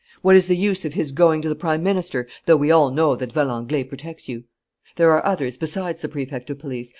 What is the use of his going to the Prime Minister, though we all know that Valenglay protects you? "There are others besides the Prefect of Police!